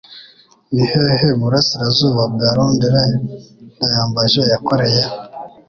Nihehe mu burasirazuba bwa Londere Ndayambaje yakoreye?